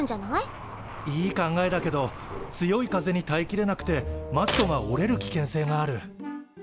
いい考えだけど強い風にたえきれなくてマストが折れる危険性がある。